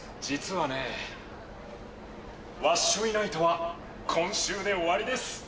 実はね「ワッショイナイト」は今週で終わりです。